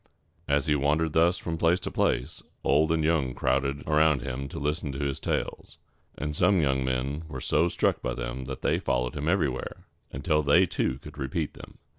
As he wandered thus from place to place, old and young crowded around him to listen to his tales; and some young men were so struck by them that they followed him everywhere, until they too could repeat them.